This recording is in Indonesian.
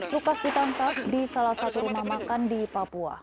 lukas ditangkap di salah satu rumah makan di papua